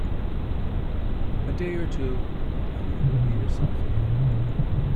A day or two, and you will be yourself again.